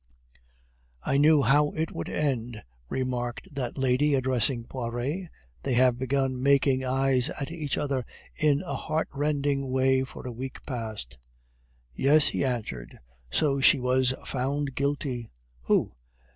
"I knew how it would end," remarked that lady, addressing Poiret. "They have been making eyes at each other in a heartrending way for a week past." "Yes," he answered. "So she was found guilty." "Who?"